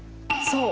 そう。